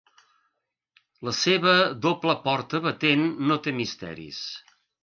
La seva doble porta batent no té misteris.